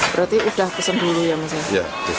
berarti sudah pesan dulu ya mas